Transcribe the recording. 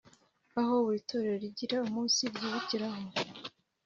aho buri torero rigira umunsi ryibukiraho